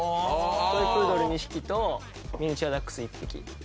トイプードル２匹とミニチュアダックス１匹。